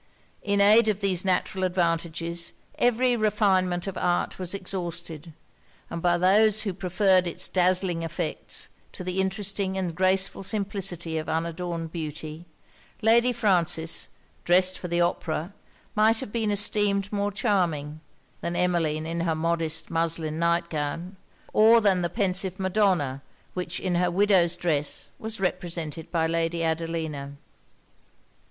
In aid of these natural advantages, every refinement of art was exhausted; and by those who preferred it's dazzling effects to the interesting and graceful simplicity of unadorned beauty, Lady Frances, dressed for the opera, might have been esteemed more charming, than Emmeline in her modest muslin night gown; or than the pensive Madona, which, in her widow's dress, was represented by Lady Adelina.